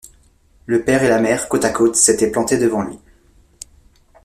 Le père et la mère, côte à côte, s’étaient plantés devant lui.